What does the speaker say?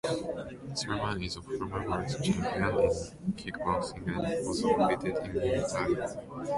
Soliman is a former world champion in kickboxing, and also competed in Muay Thai.